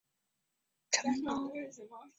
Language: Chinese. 科潘是玛雅文明古典时期最重要的城邦之一。